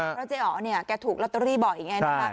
เพราะเจ๊อ๋อเนี่ยแกถูกลอตเตอรี่บ่อยอย่างนี้นะคะ